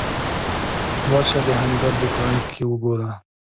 ورشه د هنګر دوکان کې وګوره